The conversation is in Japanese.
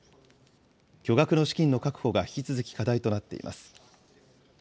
巨額の資金の確保が引き続き課題となっています。